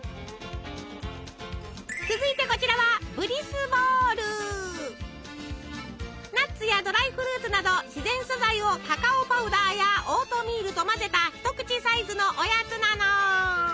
続いてこちらはナッツやドライフルーツなど自然素材をカカオパウダーやオートミールと混ぜた一口サイズのおやつなの。